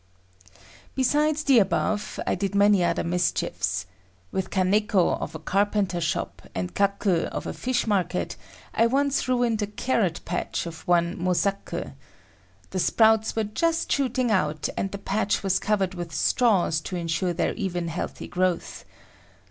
Besides the above, I did many other mischiefs. With Kaneko of a carpenter shop and Kaku of a fishmarket, I once ruined a carrot patch of one Mosaku. The sprouts were just shooting out and the patch was covered with straws to ensure their even healthy growth.